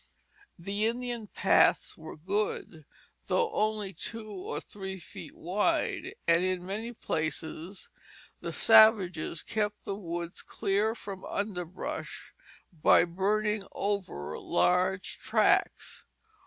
The Indian paths were good, though only two or three feet wide, and in many places the savages kept the woods clear from underbrush by burning over large tracts.